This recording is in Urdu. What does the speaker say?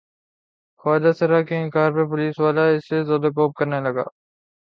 خواجہ سرا کے انکار پہ پولیس والا اسے زدوکوب کرنے لگا۔